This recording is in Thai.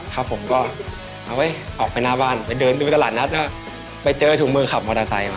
ครับผมก็เอาไว้ออกไปหน้าบ้านไปเดินไปดูตลาดนัดก็ไปเจอถุงมือขับมอเตอร์ไซค์มา